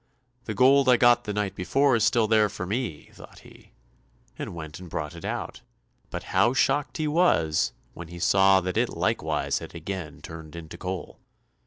"The gold I got the night before is still there for me," thought he, and went and brought it out, but how shocked he was when he saw that it likewise had again turned into coal.